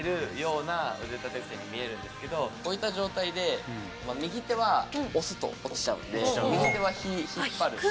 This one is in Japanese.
こういった状態で右手は押すと落ちちゃうんで右手は引っ張る。